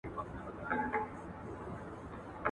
ولي تمرین دوامداره تکرار غواړي؟